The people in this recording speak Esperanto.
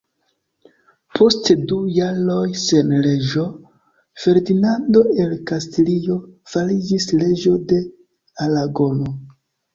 Post du jaroj sen reĝo, Ferdinando el Kastilio fariĝis reĝo de Aragono.